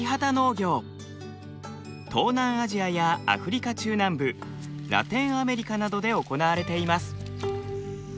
東南アジアやアフリカ中南部ラテンアメリカなどで行われています。